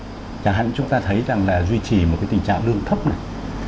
chẳng hạn vấn đề quản lý chẳng hạn chúng ta thấy rằng là duy trì một cái tình trạng lương thấp này